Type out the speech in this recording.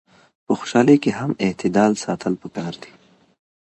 په خوشحالۍ کي هم اعتدال ساتل پکار دي.